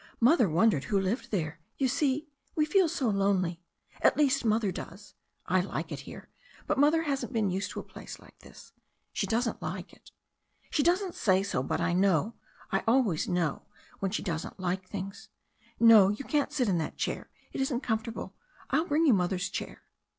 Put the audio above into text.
Mother wondered who lived there. You see, we feel so lonely — at least Mother does. I like it here, but Mother hasn't been used to a place like this. She doesn't like it. She doesn't say so, but I know — I always know when she doesn't like things. No, you can't sit in that chair; it isn't comfortable — I'll bring you Mother's chair."